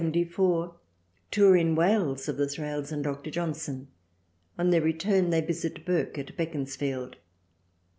Tour in Wales of the Thrales and Dr. John son. On their return they visit Burke at Beaconsfield.